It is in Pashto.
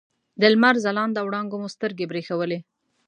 د لمر ځلانده وړانګو مو سترګې برېښولې.